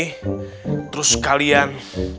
karena kalian belum tidur sampai jam segini